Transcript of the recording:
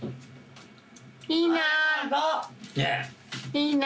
・いいな。